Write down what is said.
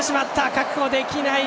確保できない！